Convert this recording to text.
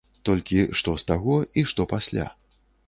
Толькі што з таго і што пасля?